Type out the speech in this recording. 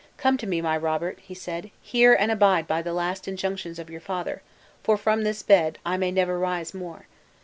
"Come to me, my Robert!" said he, "hear and abide by the last injunctions of your father, for from this bed I may never rise more.